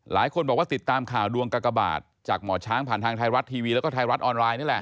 หลายคนบอกว่าติดตามข่าวดวงกากบาทจากหมอช้างผ่านทางไทยรัฐทีวีแล้วก็ไทยรัฐออนไลน์นี่แหละ